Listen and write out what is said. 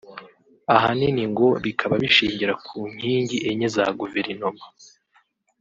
ahanini ngo bikaba bishingira ku nkingi enye za Guverenoma